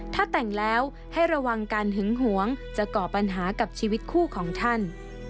ถ้าแต่งแล้วให้ระวังการหึงหวงจะก่อปัญหากับชีวิตคู่ของท่าน